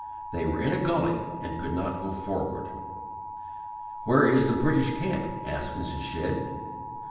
They were in a gully and could not go forward. "Where is the British camp?" asked Mrs. Shedd.